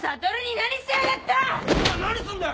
何すんだよ！